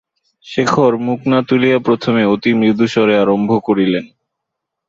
শেখর মুখ না তুলিয়া প্রথমে অতি মৃদুস্বরে আরম্ভ করিলেন।